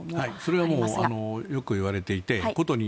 それはよくいわれていて殊に